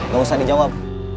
gak usah dijawab